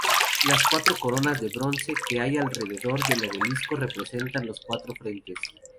Las cuatro coronas de bronce que hay alrededor del obelisco representan los cuatro frentes.